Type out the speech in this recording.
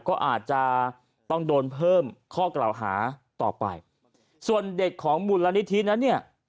ก็อาจจะต้องโดนเพิ่มข้อกล่าวหาต่อไปส่วนเด็กของมูลนิธินั้นเนี่ย